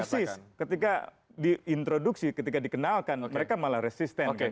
persis ketika diintroduksi ketika dikenalkan mereka malah resisten